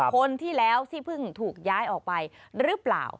คนที่แล้วที่เพิ่งถูกย้ายออกไปหรือเปล่า